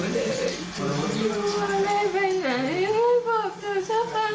ไม่มีใครเปล่าแล้ว